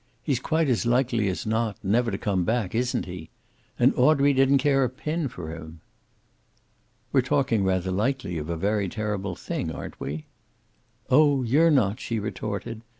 He's quite as likely as not never to come back, isn't he? And Audrey didn't care a pin for him." "We're talking rather lightly of a very terrible thing, aren't we?" "Oh, you're not," she retorted.